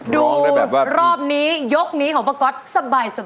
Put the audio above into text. ดูรอบนี้ยกนี้ของป้าก๊อตสบาย